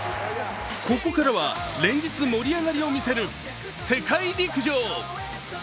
ここからは連日盛り上がりを見せる世界陸上。